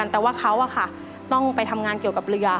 แต่ว่าเขาต้องไปทำงานเกี่ยวกับเรือ